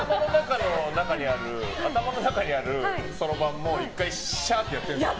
頭の中にあるそろばんも１回、シャーってやっているんですか？